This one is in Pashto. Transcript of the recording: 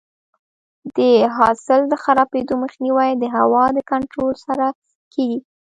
د حاصل د خرابېدو مخنیوی د هوا د کنټرول سره کیږي.